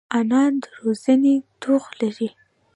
انا د روزنې توغ لري